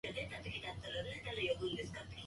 俺がお前を一生守ってやるよ